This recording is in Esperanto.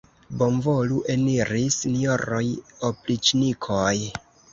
Bonvolu eniri, sinjoroj opriĉnikoj!